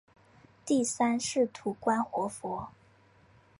第三世土观活佛。